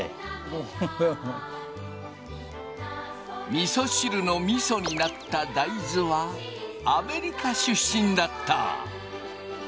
みそ汁のみそになった大豆はアメリカ出身だった。